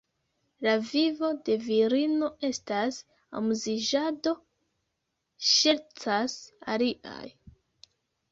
La vivo de virino estas amuziĝado, ŝercas aliaj.